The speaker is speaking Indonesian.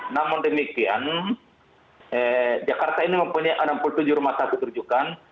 namun demikian jakarta ini mempunyai enam puluh tujuh rumah sakit rujukan